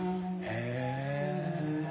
へえ。